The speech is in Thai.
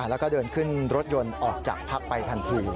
แล้วก็เดินขึ้นรถยนต์ออกจากพักไปทันที